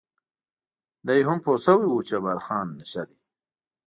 دی هم پوه شوی و چې جبار خان نشه دی.